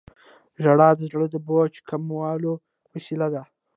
• ژړا د زړه د بوج کمولو وسیله ده.